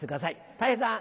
たい平さん。